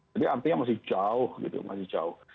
jadi artinya masih jauh gitu